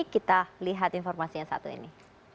kita lihat informasinya satu ini